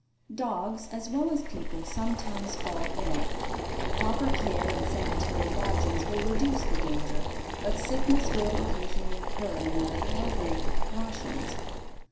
Dogs as well as people sometimes fall ill. Proper care and sanitary lodgings will reduce the danger, but sickness will occasionally occur, no matter how great the precautions.